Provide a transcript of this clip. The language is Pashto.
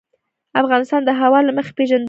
افغانستان د هوا له مخې پېژندل کېږي.